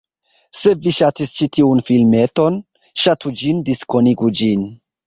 Se vi ŝatis ĉi tiun filmeton, Ŝatu ĝin, diskonigu ĝin